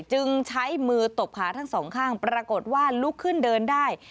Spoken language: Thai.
จึงใช้มือตบขาทั้งสองข้างปรากฏว่าลุกขึ้นเดินได้